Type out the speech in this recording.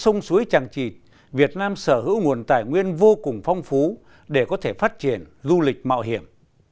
sông suối tràng trịt việt nam sở hữu nguồn tài nguyên vô cùng phong phú để có thể phát triển du lịch mạo hiểm